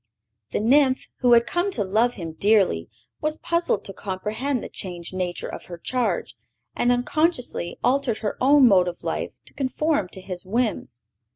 The nymph, who had come to love him dearly, was puzzled to comprehend the changed nature of her charge, and unconsciously altered her own mode of life to conform to his whims.